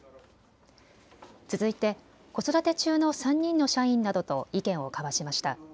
続いて子育て中の３人の社員などと意見を交わしました。